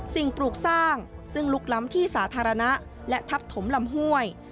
ปลูกสร้างซึ่งลุกล้ำที่สาธารณะและทับถมลำห้วย